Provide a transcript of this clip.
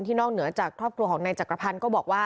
ที่นอกเหนือจากครอบครัวของนายจักรพันธ์